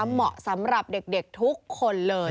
เหมาะสำหรับเด็กทุกคนเลย